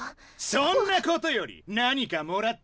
そんなことより何かもらっただろ！？